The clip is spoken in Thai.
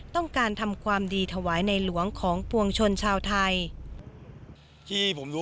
ต้องการทำความดีถวายในหลวงของปวงชนชาวไทย